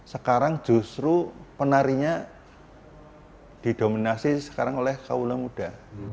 sekarang justru penarinya didominasi sekarang oleh kau ulam muda